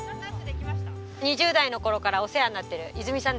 ２０代の頃からお世話になってるいづみさんです。